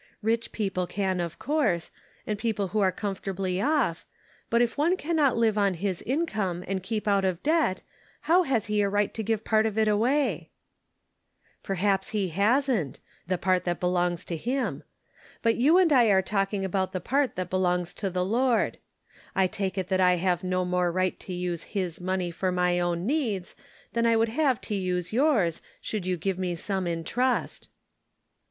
" Rich people can, of course, and people who are comfortably off, but if one can not live on his income and keep out of debt how has he a right to give part of it away ?"" Perhaps he hasn't — the part that belongs to him. But you. and I are talking about the part that belongs to the Lord. I take it that I have no more right to use his money for my own needs than I would have to use yours, should you give me some in trust."